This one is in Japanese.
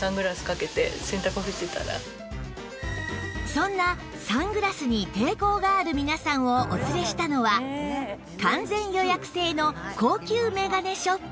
そんなサングラスに抵抗がある皆さんをお連れしたのは完全予約制の高級眼鏡ショップ